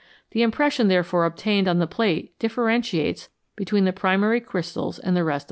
The impression, therefore, obtained on the plate differentiates between the primary crystals and the rest of the alloy.